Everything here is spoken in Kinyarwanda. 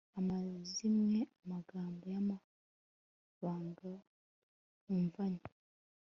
amazimwe amagambo y'amabanga wumvanye